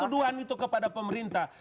jangan lupa kata tuhan kepada pemerintah